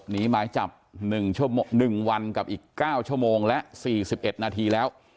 หมายจับ๑วันกับอีก๙ชั่วโมงและ๔๑นาทีแล้ว